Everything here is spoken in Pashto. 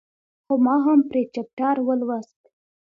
خو ما هم پرې چپټر ولوست.